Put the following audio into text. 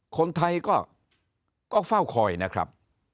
คนไทยก็เฝ้าคอยนะครับ